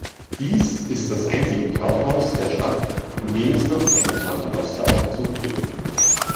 Dies ist das einzige Kaufhaus der Stadt, in dem es noch einen Paternosteraufzug gibt.